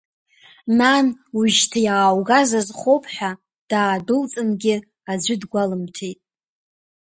Нан, уажәшьҭа иааугаз азхоуп ҳәа, даадәылҵынгьы аӡәы дгәалымҭеит.